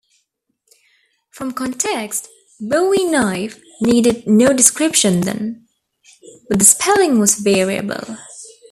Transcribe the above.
From context, "Bowie knife" needed no description then, but the spelling was variable.